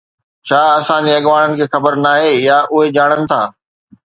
ڇا اسان جي اڳواڻن کي خبر ناهي يا اهي ڄاڻن ٿا